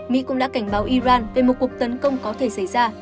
mỹ cũng đã cảnh báo iran về một cuộc tấn công có thể xảy ra